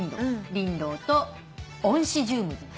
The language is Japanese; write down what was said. リンドウとオンシジウム。